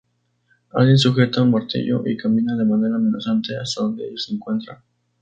Alguien sujeta un martillo, y camina de manera amenazante hasta donde ellos se encuentran.